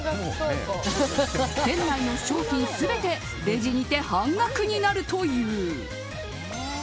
店内の商品全てレジにて半額になるという。